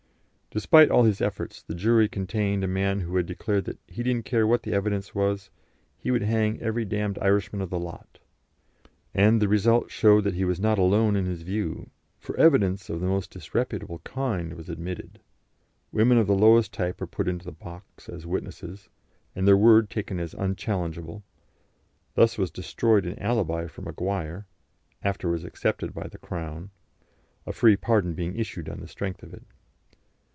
Despite all his efforts, the jury contained a man who had declared that he "didn't care what the evidence was, he would hang every d d Irishman of the lot." And the result showed that he was not alone in his view, for evidence of the most disreputable kind was admitted; women of the lowest type were put into the box as witnesses, and their word taken as unchallengeable; thus was destroyed an alibi for Maguire, afterwards accepted by the Crown, a free pardon being issued on the strength of it.